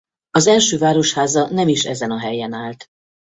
Az első városháza nem is ezen a helyen állt.